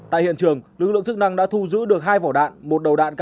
tại hiện trường lực lượng chức năng đã thu giữ được hai vỏ đạn một đầu đạn k năm mươi chín